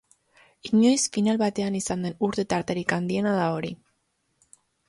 Inoiz, final batean izan den urte-tarterik handiena da hori.